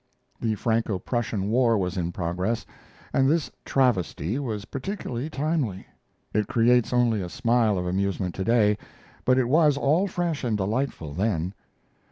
The Franco Prussian War was in progress, and this travesty was particularly timely. It creates only a smile of amusement to day, but it was all fresh and delightful then.